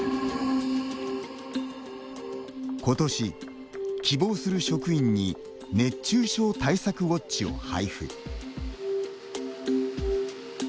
ことし、希望する職員に熱中症対策ウォッチを配布。